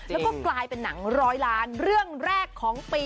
แล้วก็กลายเป็นหนังร้อยล้านเรื่องแรกของปี